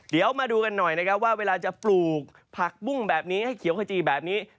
เดี๋ยวมาดูกันหน่อยนะครับว่าเวลาจะปลูกผักบุ้งแบบนี้ให้เขียวขจีแบบนี้